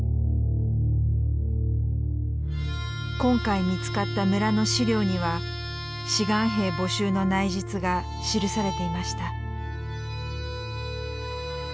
今回見つかった村の資料には志願兵募集の内実が記されていました。